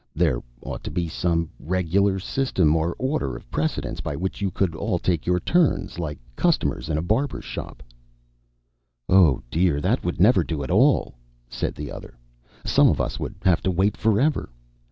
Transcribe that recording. "There ought to be some regular system, or order of precedence, by which you could all take your turns like customers in a barber's shop." "Oh dear, that would never do at all!" said the other. "Some of us would have to wait forever.